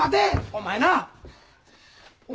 お前な！